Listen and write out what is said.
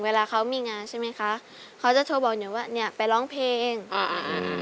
เวลาเขามีงานใช่ไหมคะเขาจะโทรบอกหนูว่าเนี้ยไปร้องเพลงอ่าอ่า